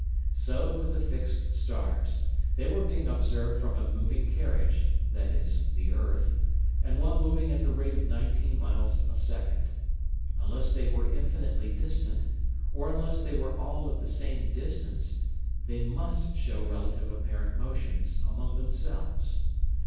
So with the fixed stars: they were being observed from a moving carriage viz. the earth and one moving at the rate of nineteen miles a second. Unless they were infinitely distant, or unless they were all at the same distance, they must show relative apparent motions among themselves.